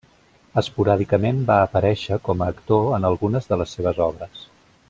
Esporàdicament va aparèixer com a actor en algunes de les seves obres.